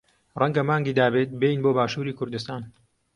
ڕەنگە مانگی دابێت بێین بۆ باشووری کوردستان.